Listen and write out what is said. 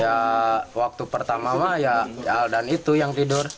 ya waktu pertama mah ya aldan itu yang tidur